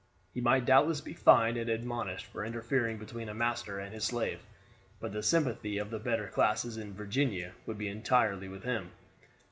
He might doubtless be fined and admonished for interfering between a master and his slave; but the sympathy of the better classes in Virginia would be entirely with him.